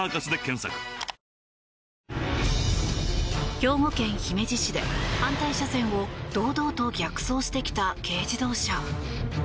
兵庫県姫路市で反対車線を堂々と逆走してきた軽自動車。